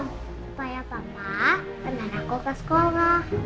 supaya papa dengan aku ke sekolah